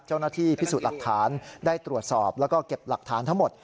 เจ้าหน้าที่พิสูจน์หลักฐานได้ตรวจสอบแล้วก็เก็บหลักฐานทั้งหมด